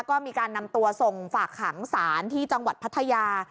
ก็มีการนำตัวส่งฝากขังศาลที่จังหวัดพัทยา